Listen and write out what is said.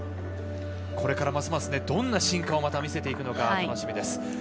これからますますどんな進化をまた見せていくのか楽しみです。